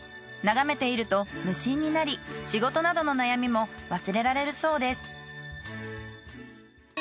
眺めていると無心になり仕事などの悩みも忘れられるそうです。